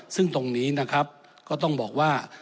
ซึ่งตรงนี้นะครับก็ต้องบอกว่า